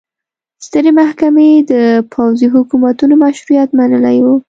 سترې محکمې د پوځي حکومتونو مشروعیت منلی و.